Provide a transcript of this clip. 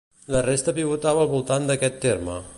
La resta pivotava al voltant d'aquest terme.